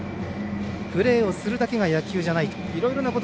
プレーをするだけが野球じゃないと。